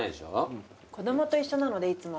子供と一緒なのでいつも。